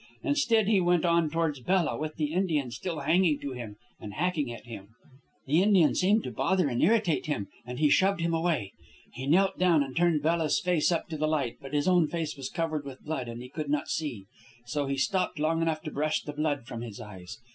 Instead, he went on towards Bella, with the Indian still hanging to him and hacking at him. The Indian seemed to bother and irritate him, and he shoved him away. He knelt down and turned Bella's face up to the light; but his own face was covered with blood and he could not see. So he stopped long enough to brush the blood from his eyes.